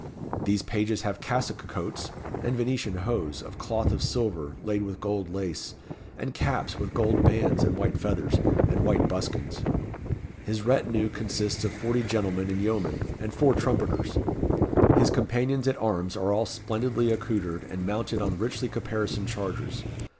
These pages have cassock coats, and Venetian hose, of cloth of silver, laid with gold lace, and caps with gold bands and white feathers, and white buskins. His rétinue consists of forty gentlemen and yeomen, and four trumpeters. His companions at arms are all splendidly accoutred, and mounted on richly caparisoned chargers.